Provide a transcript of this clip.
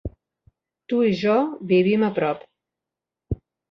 Tu i jo vivim a prop.